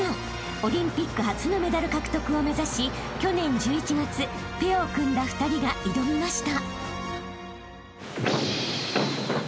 ［オリンピック初のメダル獲得を目指し去年１１月ペアを組んだ２人が挑みました］